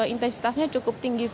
intensitasnya cukup tinggi